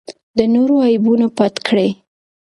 د نورو عیبونه پټ کړئ.